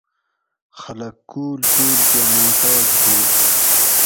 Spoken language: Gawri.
خلک کول کول کہ محتاج ہو